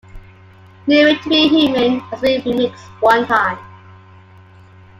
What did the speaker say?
"New Way to be Human" has been remixed one time.